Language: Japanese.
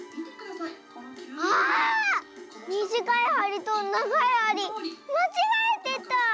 ああっ⁉みじかいはりとながいはりまちがえてた！